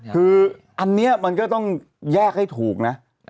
คืออันนี้มันก็ต้องแยกให้ถูกนะ